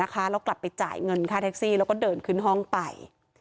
แล้วกลับไปจ่ายเงินค่าแท็กซี่แล้วก็เดินขึ้นห้องไป